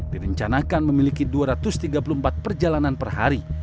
direncanakan memiliki dua ratus tiga puluh empat perjalanan per hari